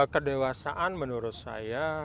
kedewasaan menurut saya